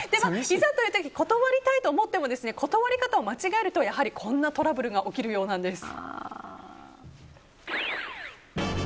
いざという時断りたいと思っても断り方を間違えるとこんなトラブルが起きるようなんです。